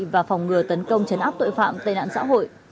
và phòng ngừa tấn công chấn áp tội phạm tệ nạn xã hội